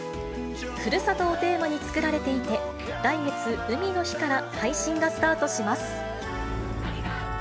ふるさとをテーマに作られていて、来月、海の日から配信がスタートします。